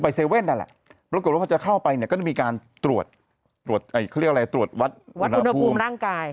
ไปเซเว่นนั่นแหละปรากฏว่าเขาจะเข้าไปก็จะมีการตรวจตรวจวัดอุณหภูมิร่างกาย